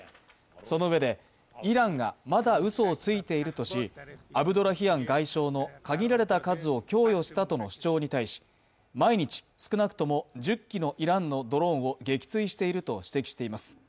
そのうえで、イランがまだうそをついているとし、アブドラヒアン外相の限られた数を供与したとの主張に対し、毎日少なくとも１０機のイランのドローンを撃墜していると指摘しています。